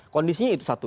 kondisinya itu satu